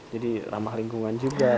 jadi ramah lingkungan juga